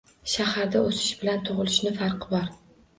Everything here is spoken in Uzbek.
Shaxarda o‘sish bilan tug‘ilishni farqi bor.